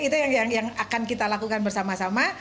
itu yang akan kita lakukan bersama sama